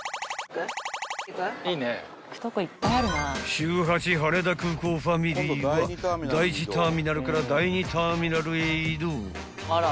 ［週８羽田空港ファミリーは第１ターミナルから第２ターミナルへ移動］